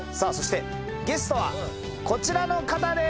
ゲストはこちらの方です。